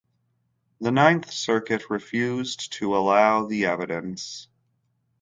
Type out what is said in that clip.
The Ninth Circuit refused to allow the evidence.